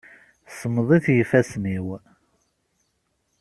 Semmeḍit yifassen-iw.